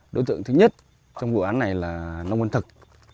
đối tượng thứ nhất trong vụ án này là nông văn thực